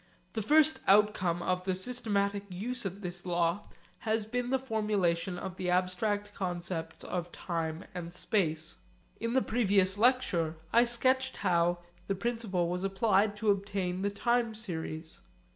The first outcome of the systematic use of this law has been the formulation of the abstract concepts of Time and Space. In the previous lecture I sketched how the principle was applied to obtain the time series.